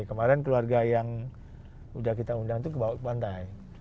kemarin keluarga yang udah kita undang tuh ke bawah pantai